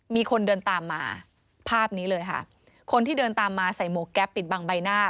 มีคนเดินตามมาภาพนี้เลยค่ะคนที่เดินตามมาใส่หมวกแก๊ปปิดบังใบหน้า